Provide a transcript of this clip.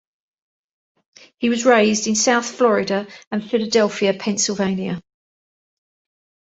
He was raised in South Florida and Philadelphia, Pennsylvania.